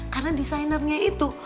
karena desainernya itu